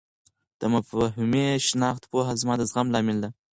د مفهومي شناخت پوهه زما د زغم لامل ده.